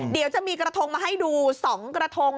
เดี๋ยวจะมีกระทงมาให้ดู๒กระทง